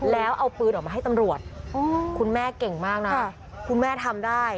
แล้วเอาปืนออกมาให้ตำรวจคุณแม่เก่งมากนะคุณแม่ทำได้